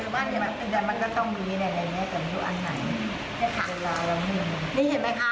มันก็ต้องมีในอะไรแน่แต่ไม่รู้อันไหนนี่เห็นไหมคะ